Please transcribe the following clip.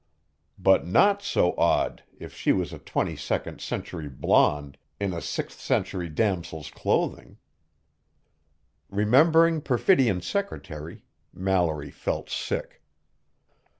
But not so odd if she was a twenty second century blonde in a sixth century damosel's clothing. Remembering Perfidion's secretary, Mallory felt sick.